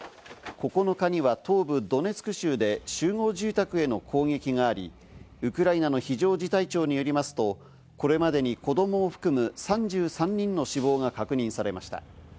９日には東部ドネツク州で集合住宅への攻撃があり、ウクライナの非常事態庁によりますと、これまでに子供を含む３３人の死亡が確認されました。